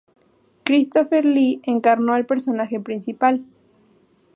Christopher Lee encarnó al personaje principal.